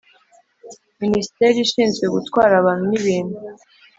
Minisiteri ishinzwe Gutwara Abantu n’Ibintu